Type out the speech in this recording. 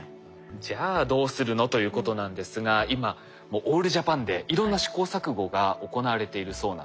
じゃあどうするのということなんですが今もうオールジャパンでいろんな試行錯誤が行われているそうなんです。